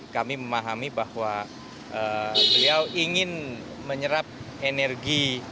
kami memahami bahwa beliau ingin menyerap energi